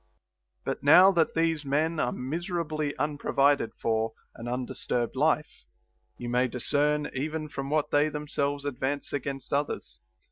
6. But now that these men are miserably unprovided for an undisturbed life, you may discern even from what they themselves advance against others.